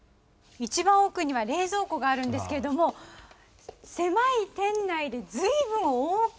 一番奥には冷蔵庫があるんですけれども狭い店内で随分大きいんですよね！